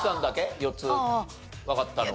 ４つわかったのは。